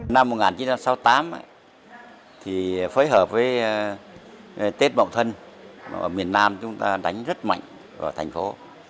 năm một nghìn chín trăm sáu mươi tám phối hợp với tết bộ thân ở miền nam chúng ta đánh rất mạnh vào thành phố